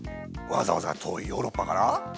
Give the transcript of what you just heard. わざわざ遠いヨーロッパから？